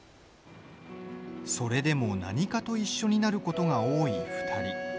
それでも何かと一緒になることが多い２人。